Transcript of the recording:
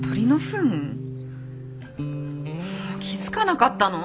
もう気付かなかったの？